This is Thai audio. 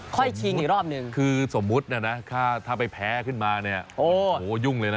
ชิงอีกรอบนึงคือสมมุตินะนะถ้าไปแพ้ขึ้นมาเนี่ยโอ้โหยุ่งเลยนะ